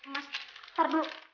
mas tar dulu